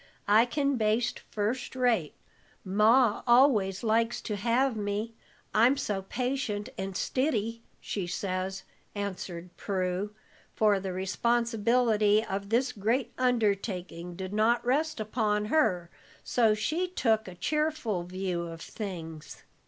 I can baste first rate. Ma always likes to have me, I'm so patient and stiddy, she says," answered Prue, for the responsibility of this great undertaking did not rest upon her, so she took a cheerful view of things.